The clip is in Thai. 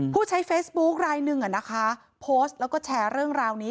ผู้ใช้เฟซบุ๊คลายหนึ่งโพสต์แล้วก็แชร์เรื่องราวนี้